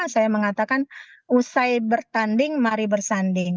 saya mengatakan usai bertanding mari bersanding